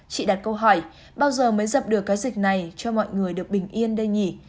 chị đặt câu hỏi bao giờ mới dập được cái dịch này cho mọi người được bình yên đây nhỉ